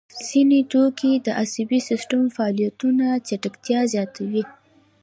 ځیني توکي د عصبي سیستم فعالیتونه چټکتیا زیاتوي.